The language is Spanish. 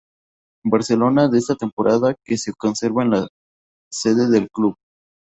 Barcelona de esa temporada, que se conserva en la sede del club.